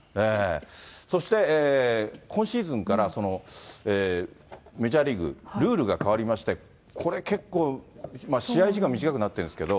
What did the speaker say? そして今シーズンから、メジャーリーグ、ルールが変わりまして、これ結構、試合時間短くなってるんですけど。